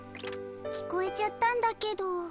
聞こえちゃったんだけど。